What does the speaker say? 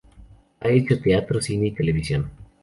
Ha hecho teatro, cine y televisión.